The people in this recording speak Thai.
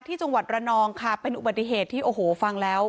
จังหวัดระนองค่ะเป็นอุบัติเหตุที่โอ้โหฟังแล้ว